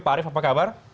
pak arief apa kabar